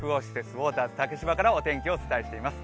ウォーターズ竹芝からお天気をお伝えしています。